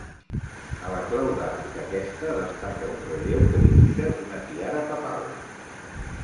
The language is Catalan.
A la clau d'arc d'aquesta, destaca un relleu que dibuixa una tiara papal.